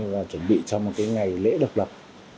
và chuẩn bị cho một cái ngày lễ độc lập